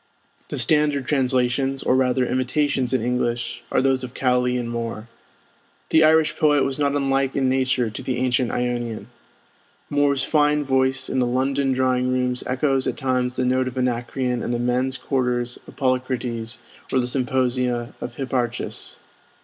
The standard translations, or rather imitations in English, are those of Cowley and Moore. The Irish poet was not unlike in nature to the ancient Ionian. Moore's fine voice in the London drawing rooms echoes at times the note of Anacreon in the men's quarters of Polycrates or the symposia of Hipparchus.